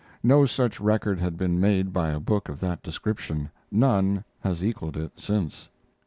No such record had been made by a book of that description; none has equaled it since.